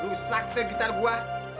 rusak ke gitar gua